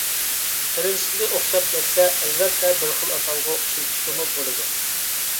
پىرىنسىپى ئوخشاپ كەتسە ئەلۋەتتە بىر خىل ئاتالغۇ ئىشلىتىشكىمۇ بولىدۇ.